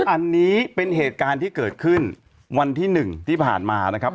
อันนี้เป็นเหตุการณ์ที่เกิดขึ้นวันที่๑ที่ผ่านมานะครับ